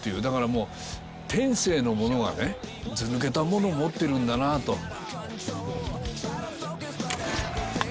だからもう天性のものがね図抜けたものを持ってるんだなと。